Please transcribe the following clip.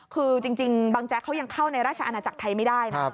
คือจริงบางแจ๊กเขายังเข้าในราชอาณาจักรไทยไม่ได้นะ